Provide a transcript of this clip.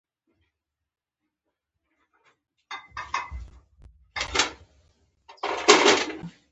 دا لیک د سړکونو موجودیت راښيي.